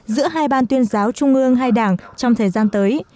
giữa hai ban tuyên giáo trung ương hai đảng trong thời gian tới